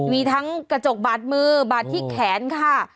มีทั้งกระจกบาดมือบาดที่แขนค่ะ